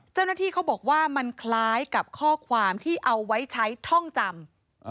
เจ้าหน้าที่เขาบอกว่ามันคล้ายกับข้อความที่เอาไว้ใช้ท่องจำ